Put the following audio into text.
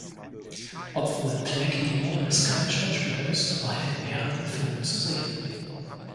Obwohl Blackie Lawless kein Schauspieler ist, war er in mehreren Filmen zu sehen.